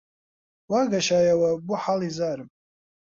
وا گەشایەوە بۆ حاڵی زارم